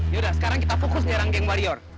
yaudah sekarang kita fokus nyerang geng warrior